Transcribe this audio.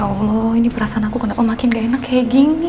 allah ini perasaan aku kenapa makin gak enak kayak gini